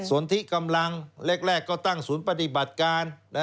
ส่วนที่กำลังแรกก็ตั้งศูนย์ปฏิบัติการ